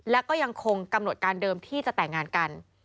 แล้วก็ยังคงกำหนดการเดิมที่จะแต่งงานกัน